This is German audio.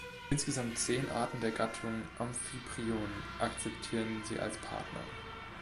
Insgesamt zehn Arten der Gattung "Amphiprion" akzeptieren sie als Partner.